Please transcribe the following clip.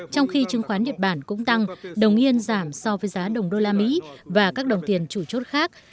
trong khi chứng khoán nhật bản cũng tăng đồng yên giảm so với giá đồng đô la mỹ và các đồng tiền chủ chốt khác